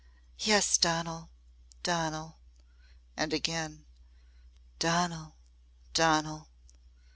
"Yes, Donal! Donal!" And again, "Donal! Donal!"